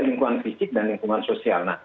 lingkungan fisik dan lingkungan sosial